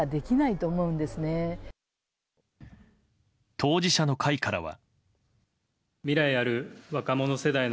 当事者の会からは。